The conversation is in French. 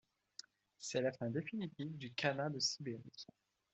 C'est la fin définitive du khanat de Sibérie.